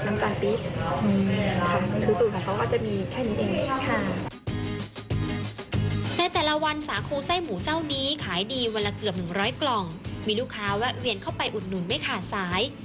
ในแต่ละวันสาคูไส้หมูเจ้านี้ขายดีวันละเกือบหนึ่งร้อยกล่องมีลูกค้าแวะเวียนเข้าไปอุดหนุนไม่ขาดสาย